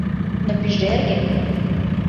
Но пижерге